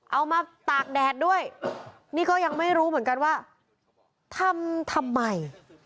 มาตากแดดด้วยนี่ก็ยังไม่รู้เหมือนกันว่าทำทำไม